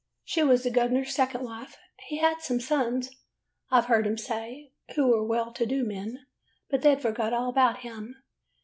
She was the gov'ner's second wife. He had some sons, I Ve heard him say, who_were well to do men, but they 'd forgot all about him.